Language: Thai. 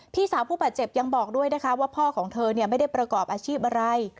พี่สาวผู้บาดเจ็บยังบอกด้วยนะคะว่าพ่อของเธอไม่ได้ประกอบอาชีพอะไร